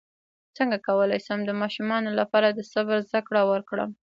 څنګه کولی شم د ماشومانو لپاره د صبر زدکړه ورکړم